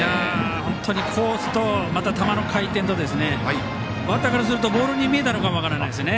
本当にコースと球の回転とバッターからするとボールに見えたのかもしれませんね。